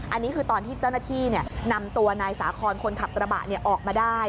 อันนี้คือตอนที่เจ้าหน้าที่นำตัวนายสาคอนคนขับกระบะออกมาได้